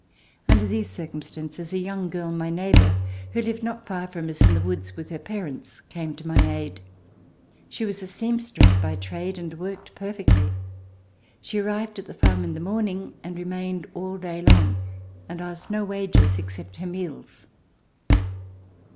Under these circumstances, a young girl, my neighbor, who lived not far from us in the woods with her parents, came to my aid. She was a seamstress by trade and worked perfectly. She arrived at the farm in the morning and remained all day long, and asked no wages except her meals.